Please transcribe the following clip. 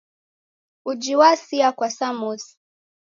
Uji wasia kwa samosi